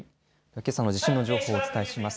けさの地震の情報をお伝えします。